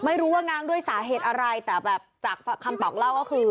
ไม่รู้ว่าง้างด้วยสาเหตุอะไรแต่แบบจากคำบอกเล่าก็คือ